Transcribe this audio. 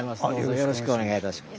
よろしくお願いします。